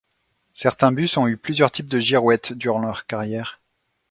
Certains bus ont eu plusieurs types de girouettes durant leur carrière.